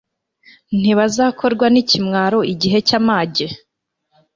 ntibazakorwa n'ikimwaro igihe cy'amage